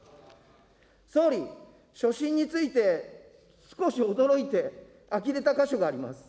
総理、所信について少し驚いて、あきれた箇所があります。